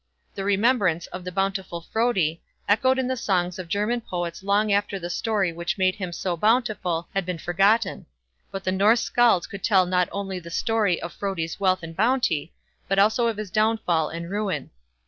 The remembrance of "the bountiful Frodi" echoed in the songs of German poets long after the story which made him so bountiful had been forgotten; but the Norse Skalds could tell not only the story of Frodi's wealth and bounty, but also of his downfall and ruin.